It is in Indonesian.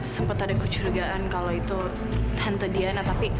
sempat ada kecurigaan kalau itu hante diana tapi